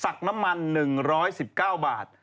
ศักดิ์น้ำมัน๑๑๙บาท